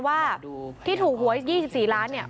ว่าที่ถูกหวย๒๔ล้านเนี่ย